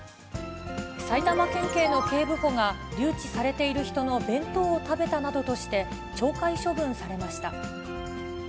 埼玉県警の警部補が、留置されている人の弁当を食べたなどとして、懲戒処分されました。